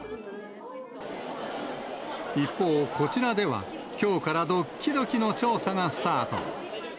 一方、こちらではきょうからどっきどきの調査がスタート。